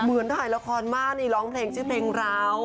เหมือนถ่ายละครมากนี่ร้องเพลงชื่อเพลงร้าว